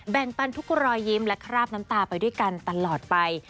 ปันทุกรอยยิ้มและคราบน้ำตาไปด้วยกันตลอดไป